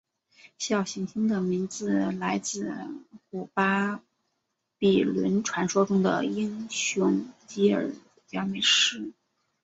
小行星的名字来自古巴比伦传说中的英雄吉尔伽美什。